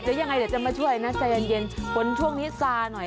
เดี๋ยวยังไงเดี๋ยวจะมาช่วยนะใจเย็นฝนช่วงนี้ซาหน่อย